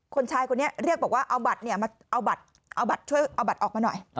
คนชายคนนี้เรียกบอกว่าเอาบัตรออกมาหน่อย